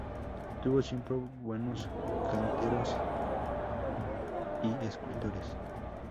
Tuvo siempre buenos canteros y escultores.